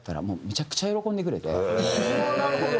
なるほど。